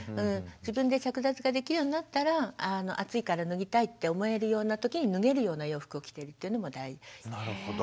自分で着脱ができるようになったら暑いから脱ぎたいって思えるような時に脱げるような洋服を着ているというのも大事。